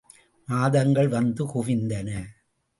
மாதங்கள் வந்து குவிந்தன.